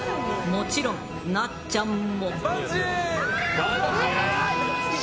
もちろん、なっちゃんも。